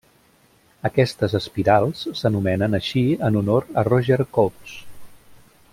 Aquestes espirals s'anomenen així en honor a Roger Cotes.